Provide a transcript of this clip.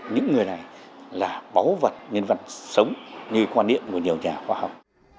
những người này là báu vật nhân vật sống như quan niệm của nhiều nhà khoa học